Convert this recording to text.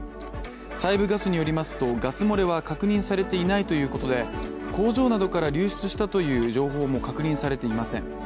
西部ガスによりますと、ガス漏れは確認されていないということで工場などから流出したという情報も確認されていません。